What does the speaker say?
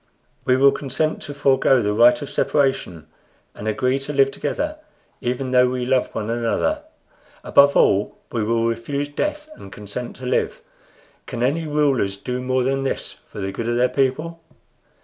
We will consent to forego the right of separation, and agree to live together, even though we love one another. Above all, we will refuse death and consent to live. Can any rulers do more than this for the good of their people?"